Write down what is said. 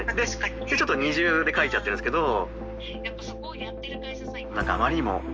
ちょっと二重で書いちゃってるんですけど。